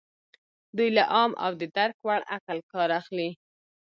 دوی له عام او د درک وړ عقل کار اخلي.